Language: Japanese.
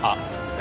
え？